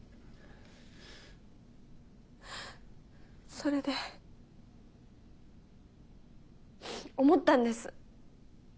それで思ったんです。